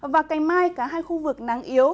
và cành mai cả hai khu vực nắng yếu